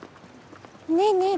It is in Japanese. ねえねえ